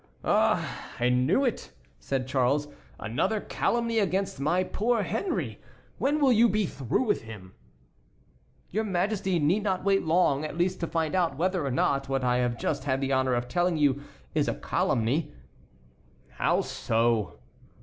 "Ah, I knew it," said Charles, "another calumny against my poor Henry! When will you be through with him?" "Your Majesty need not wait long at least to find out whether or not what I have just had the honor of telling you is a calumny." "How so?"